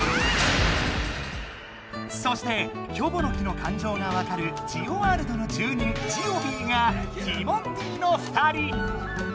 そしてキョボの木のかんじょうがわかるジオワールドの住人「ジオビー」がティモンディの２人。